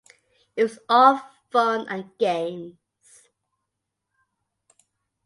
It was all fun and games.